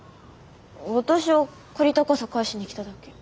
私は借りた傘返しに来ただけ。